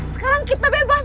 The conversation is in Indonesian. sekarang kita bebas